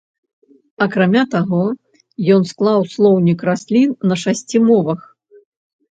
Акрамя таго, ён склаў слоўнік раслін на шасці мовах.